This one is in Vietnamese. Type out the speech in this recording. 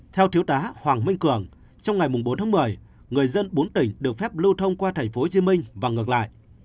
theo thiếu tá hoàng minh cường trong ngày bốn tháng một mươi người dân bốn tỉnh được phép lưu thông qua tp hcm và ngược lại